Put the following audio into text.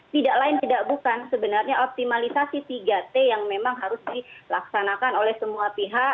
tidak lain tidak bukan sebenarnya optimalisasi tiga t yang memang harus dilaksanakan oleh semua pihak